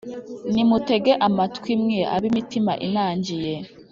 nimutege amatwi mwe, ab’imitima inangiye,